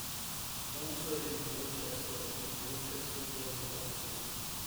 Also in Borchester is Borchester General Hospital.